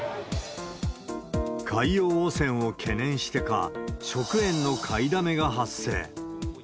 海洋汚染を懸念してか、食塩の買いだめが発生。